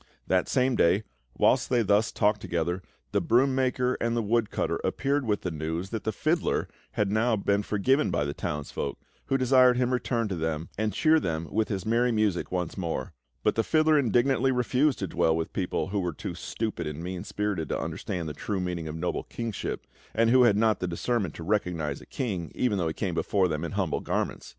That same day, whilst they thus talked together, the broom maker and the woodcutter appeared with the news that the fiddler had now been forgiven by the townsfolk, who desired him to return to them, and cheer them with his merry music once more; but the fiddler indignantly refused to dwell with people who were too stupid and mean spirited to understand the true meaning of noble kingship, and who had not the discernment to recognise a king, even though he came before them in humble garments.